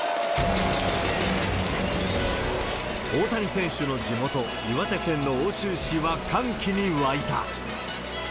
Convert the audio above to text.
大谷選手の地元、岩手県の奥州市は歓喜に沸いた。